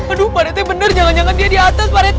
aduh pak rt bener jangan jangan dia di atas pak rt